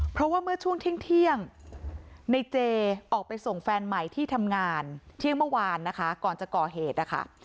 เพราะว่าเมื่อช่วงเที่ยงในเจออกไปส่งแฟนใหม่ที่ทำงานเที่ยงเมื่อวานนะคะก่อนจะก่อเหตุนะคะ